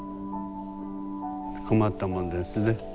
困ったもんですね。